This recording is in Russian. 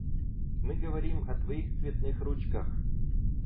Мы говорим о твоих цветных ручках.